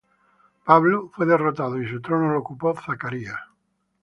Pablo fue derrotado y su trono lo ocupó Zacarias.